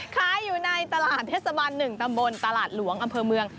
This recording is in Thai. ขายอยู่ในตลาดเทศบาล๑ตำบลตลาดหลวงอำเภอเมือง